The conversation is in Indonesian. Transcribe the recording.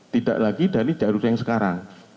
tidak lagi dari jalur yang sekarang